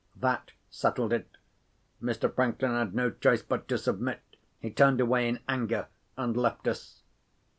That settled it. Mr. Franklin had no choice but to submit. He turned away in anger—and left us.